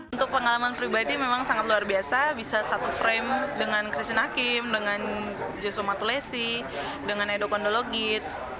untuk pengalaman pribadi memang sangat luar biasa bisa satu frame dengan krisin hakim dengan yusuf matulesi dengan edo kondologit